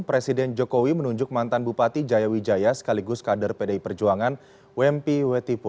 presiden jokowi menunjuk mantan bupati jaya wijaya sekaligus kader pdi perjuangan wempi wetipo